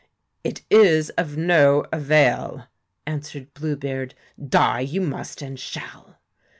' It is of no avail,' answered Blue beard ;* die you must and shall.'